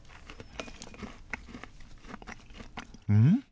うん？